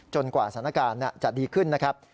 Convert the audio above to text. กว่าสถานการณ์จะดีขึ้นนะครับ